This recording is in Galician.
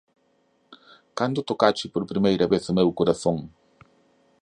Cando tocaches por primeira vez o meu corazón?